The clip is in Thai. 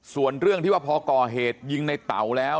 ส่วนเรื่องที่ว่าพอก่อเหตุยิงในเต๋าแล้ว